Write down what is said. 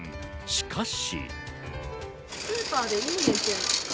しかし。